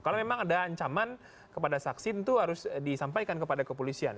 kalau memang ada ancaman kepada saksi itu harus disampaikan kepada kepolisian